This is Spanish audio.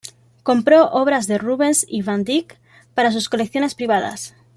Compró obras de Rubens y van Dyck para sus colecciones privadas.